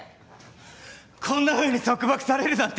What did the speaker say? こんなふうに束縛されるなんて耐えられない！